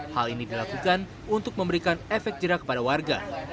hal ini dilakukan untuk memberikan efek jerak kepada warga